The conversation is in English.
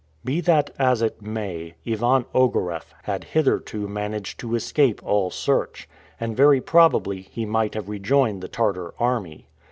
Be that as it may, Ivan Ogareff had hitherto managed to escape all search, and very probably he might have rejoined the Tartar army.